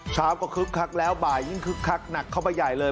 เช้าก็คึกคักแล้วบ่ายยิ่งคึกคักหนักเข้าไปใหญ่เลย